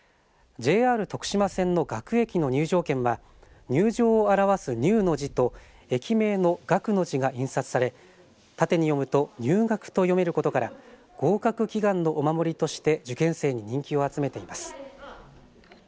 ＪＲ徳島線の学駅の入場券は入場を表す入の字と駅名の学の字が印刷され縦に読むと入学と読めることから合格祈願のお守りとして受験生に人気を集めています。